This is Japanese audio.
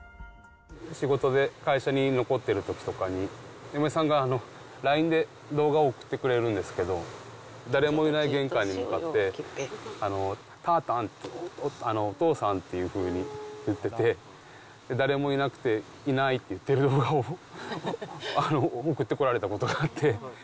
仕事で会社に残ってるときとかに、嫁さんがＬＩＮＥで動画を送ってくれるんですけど、誰もいない玄関に向かって、たーたんって、お父さんっていうふうに言ってて、誰もいなくて、いないって言ってる動画を送ってこられたことがあって。